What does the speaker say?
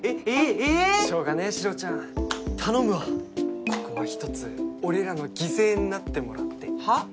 しょうがねえシロちゃん頼むわここはひとつ俺らの犠牲になってもらってはあ？